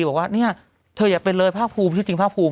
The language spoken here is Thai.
บอกว่าเนี่ยเธออย่าเป็นเลยภาคภูมิชื่อจริงภาคภูมิ